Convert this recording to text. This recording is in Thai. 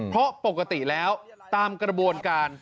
เพราะปกติแล้วตามกระบวนการ